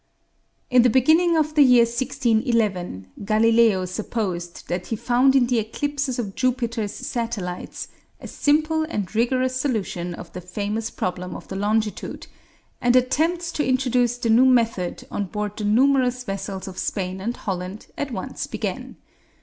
In the beginning of the year 1611, Galileo supposed that he found in the eclipses of Jupiter's satellites a simple and rigorous solution of the famous problem of the longitude, and attempts to introduce the new method on board the numerous vessels of Spain and Holland at once began.